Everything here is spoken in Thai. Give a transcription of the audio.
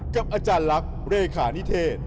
กับอาจารย์ลักษณ์เลขานิเทศ